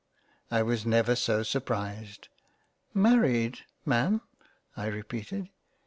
I was never so surprised —" Married, Ma'am !" I repeated.